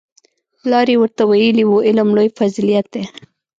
پلار یې ورته ویلي وو علم لوی فضیلت دی